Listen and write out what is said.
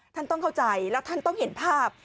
ท่านต้องเข้าใจแล้วท่านต้องเห็นภาพ